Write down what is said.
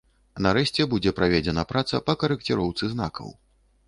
Нарэшце, будзе праведзена праца па карэкціроўцы знакаў.